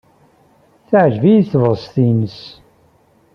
Teɛjeb-iyi tebɣest-nnes.